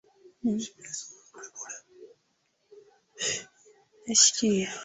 Mtu niliyoyanena, pima sana ewe mtu